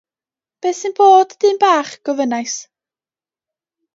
'Beth sy'n bod, dyn bach?' gofynnais.